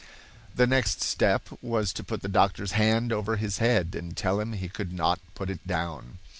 The next step was to put the doctor's hand over his head, and tell him he could not put it down.